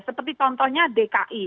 seperti contohnya dki